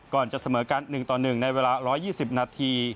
จะเสมอกัน๑ต่อ๑ในเวลา๑๒๐นาที